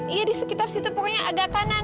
iya di sekitar situ pokoknya agak kanan